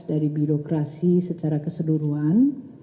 dari birokrasi secara keseluruhan